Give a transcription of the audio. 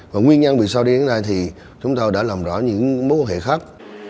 và nguyên nhân vì sao đi đến đây thì chúng tôi đã làm rõ những mối hệ khác